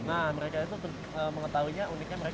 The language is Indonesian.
nah mereka itu mengetahuinya uniknya mereka